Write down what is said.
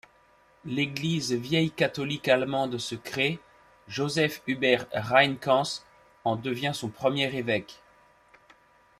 L'Église vieille-catholique allemande se crée, Joseph Hubert Reinkens en devient son premier évêque.